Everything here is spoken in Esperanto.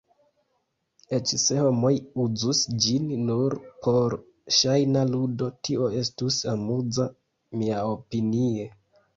Eĉ se homoj uzus ĝin nur por ŝajna ludo, tio estus amuza, miaopinie.